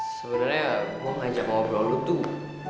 sebenernya gue ngajak ngobrol lo tuh